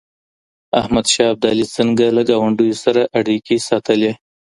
احمد شاه ابدالي څنګه له ګاونډيو سره اړيکې ساتلې؟